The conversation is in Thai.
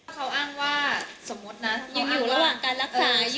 เขาอ้างว่า